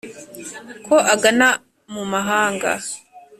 ko agana mu mahanga